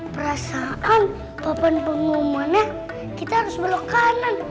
perasaan papan pengumumannya kita harus belok kanan